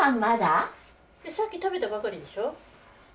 さっき食べたばかりでしょう？